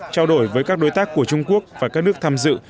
trao đổi với các đối tác của trung quốc và các nước tham dự